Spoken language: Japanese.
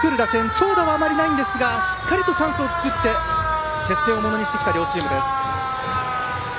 長打はあまりないんですがしっかりチャンスを作って接戦をものにしてきた両チーム。